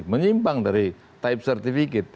menyimpang dari type certificate